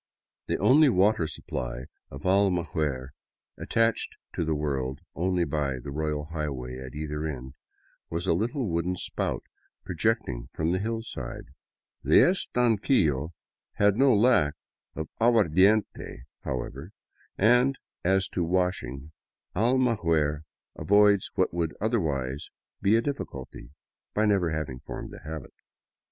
The only water supply of Almaguer, attached to the world only by the " royal highway " at either end, was a little wooden spout project ing from the hillside. The estanquillo had no lack of aguardiente, how ever, and as to washing, Almaguer avoids what would otherwise be a difficulty by never having formed the habit.